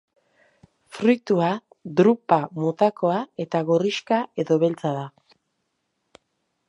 Fruitua drupa-motakoa eta gorrixka edo beltza da.